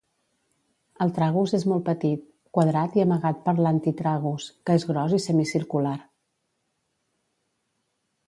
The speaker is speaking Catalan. El tragus és molt petit, quadrat i amagat per l'antitragus, que és gros i semicircular.